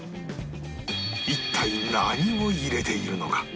一体何を入れているのか？